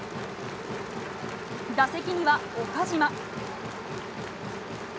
打席には岡島。